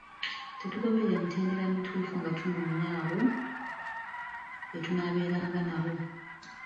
Tetugoberera mitendera mituufu nga tunoonya abo be tunaabeeranga nabo.